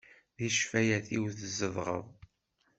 Di ccfayat-iw tzedɣeḍ.